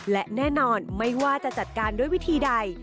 และแน่นอนไม่ว่าจะจัดการด้วยวิธีใด